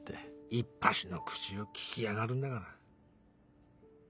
いっぱしの口をききやがるんだから。